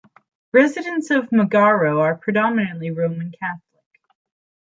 Residents of Magarao are predominantly Roman Catholic.